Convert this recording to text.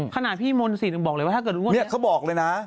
ขนาดพี่มนศ์สิบหนึ่งบอกเลยว่าถ้าเกิดวันนี้เขาบอกเลยนะ